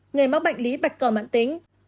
người mắc bệnh lý bạch cờ mạng tính